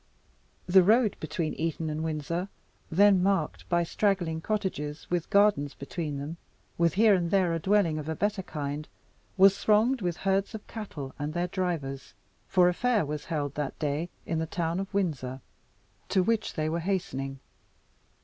The road between Eton and Windsor, then marked by straggling cottages with gardens between them, with here and there a dwelling of a better kind, was thronged with herds of cattle and their drivers, for a fair was held that day in the town of Windsor, to which they were hastening.